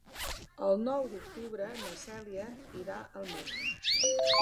El nou d'octubre na Cèlia irà al metge.